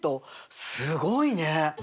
すごいね！